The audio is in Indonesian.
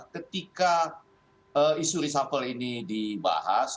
ketika isu reshuffle ini dibahas